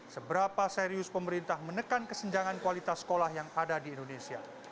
seberapa serius pemerintah menekan kesenjangan kualitas sekolah yang ada di indonesia